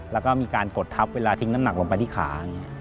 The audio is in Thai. แล้วก็มีการกดทับเวลาทิ้งน้ำหนักลงไปที่ขา